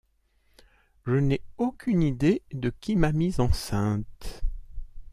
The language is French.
Je n’ai aucune idée de qui m’a mise enceinte.